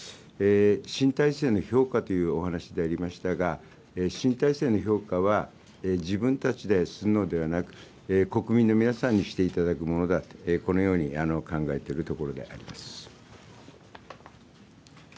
新体制の評価というお話でありましたが、新体制の評価は、自分たちでするのではなく、国民の皆さんにしていただくものだ、このように考えているところであります。